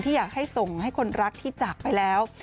อยากให้ส่งให้คนรักที่จากไปแล้ว